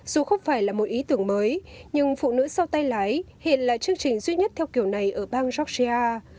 dù không phải là một ý tưởng mới nhưng phụ nữ sau tay lái hiện là chương trình duy nhất theo kiểu này ở bang georgia